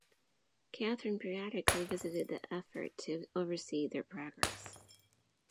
Catherine periodically visited the effort to oversee their progress.